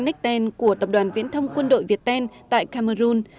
necten của tập đoàn viễn thông quân đội việt tên tại cameroon